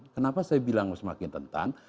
kenapa saya bilang semakin rentan